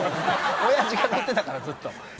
おやじが乗ってたからずっと。